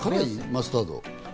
マスタード。